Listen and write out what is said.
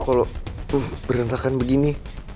kalau berantakan begini